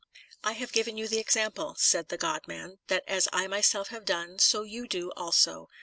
" I have given you the example," said the God man, " that as I myself have done, so you do also."